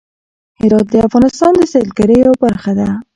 هرات د افغانستان د سیلګرۍ یوه برخه ده.